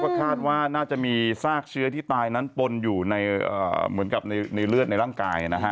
ก็คาดว่าน่าจะมีซากเชื้อที่ตายนั้นปนอยู่ในเหมือนกับในเลือดในร่างกายนะฮะ